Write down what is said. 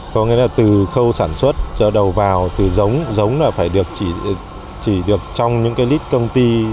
có nghĩa là từ khâu sản xuất cho đầu vào từ giống giống là phải được chỉ được trong những cái lip công ty